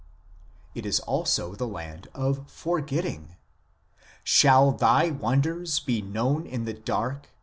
It is also the land of forgetting :" Shall Thy wonders be known in the dark